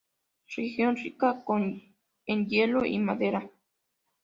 Región rica en hierro y madera.